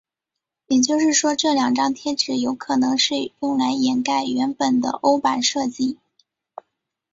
也就是说这两张贴纸有可能是用来掩盖原本的欧版设计。